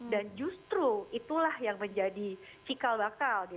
dan justru itulah yang menjadi cikal bakal